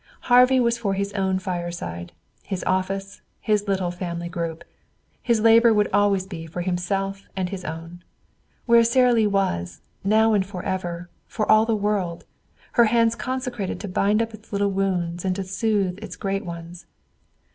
Harvey was for his own fireside, his office, his little family group. His labor would always be for himself and his own. Whereas Sara Lee was, now and forever, for all the world, her hands consecrated to bind up its little wounds and to soothe its great ones.